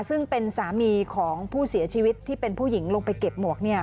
ซึ่งเป็นสามีของผู้เสียชีวิตที่เป็นผู้หญิงลงไปเก็บหมวก